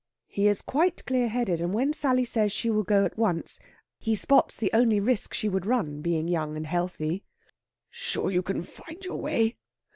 He is quite clear headed, and when Sally says she will go at once, he spots the only risk she would run, being young and healthy: "Sure you can find your way?